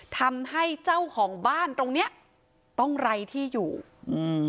ทำให้เจ้าของบ้านตรงเนี้ยต้องไร้ที่อยู่อืม